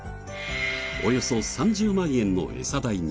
およそ３０万円のエサ代に。